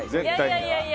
いやいや。